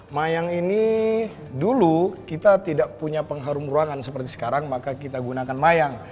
mayang ini dulu kita tidak punya pengharum ruangan seperti sekarang maka kita gunakan mayang